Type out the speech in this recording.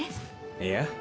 いや。